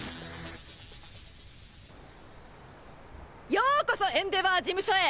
ようこそエンデヴァー事務所へ！